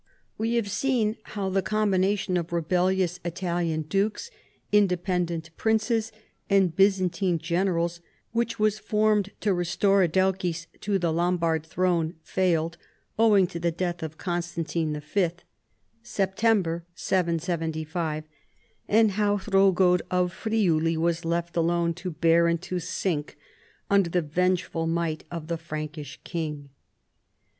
"We have seen how the com bination of rebellious Italian dukes, independent princes, and Byzantine generals, which was formed to restore Adelchis to the Lombard throne, failed, owing to the death of Constantine V. (September 775), and how Hrodgaud of Friuli was left alone to bear and to sink under the vengeful might of the Frankish. king.